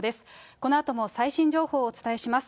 このあとも最新情報をお伝えします。